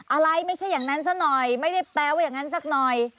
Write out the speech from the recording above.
อะไรไม่ใช่อย่างนั้นซะหน่อยไม่ได้แปลว่าอย่างนั้นสักหน่อย